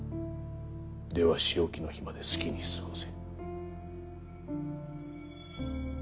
では仕置きの日まで好きに過ごせ。